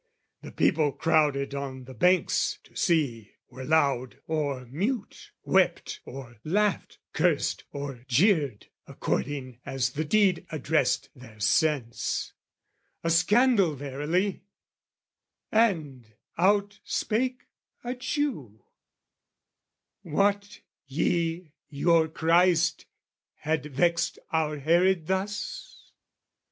"The people, crowded on the banks to see, "Were loud or mute, wept or laughed, cursed or jeered, "According as the deed addressed their sense; "A scandal verily: and out spake a Jew "'Wot ye your Christ had vexed our Herod thus?'